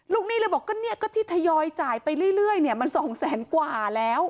หนี้เลยบอกก็เนี่ยก็ที่ทยอยจ่ายไปเรื่อยเนี่ยมัน๒แสนกว่าแล้ว